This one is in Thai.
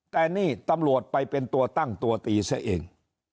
แต่นี่ตำรวจไปเป็นตัวตั้งตัวตีซะเอง